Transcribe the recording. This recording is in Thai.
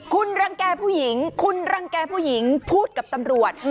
คุณรังแก่ผู้หญิงคุณรังแก่ผู้หญิงพูดกับตำรวจ